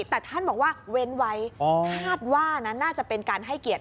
แต่ท่านบอกว่าเว้นไว้คาดว่านั้นน่าจะเป็นการให้เกียรติ